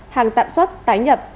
hàng tạm xuất tái nhập